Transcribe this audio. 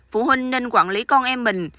phụ huynh nên quản lý con em mình